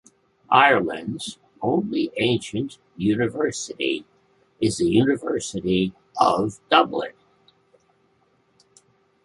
Ireland's only ancient university is the University of Dublin.